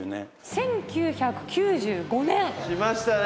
１９９５年。来ましたね！